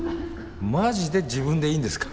マジで自分でいいんですか？